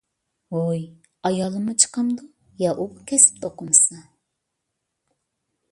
ھوي، ئايالىممۇ چىقامدۇ؟ يا ئۇ بۇ كەسىپتە بولمىسا.